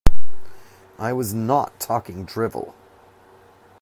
I was not talking drivel.